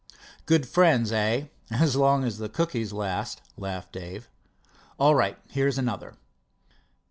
"Good friends, eh—as long as the cookies last!" laughed Dave. "All right, here's another."